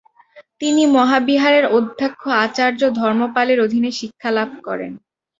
তিনি মহাবিহারের অধ্যক্ষ আচার্য ধর্মপালের অধীনে শিক্ষালাভ করেন।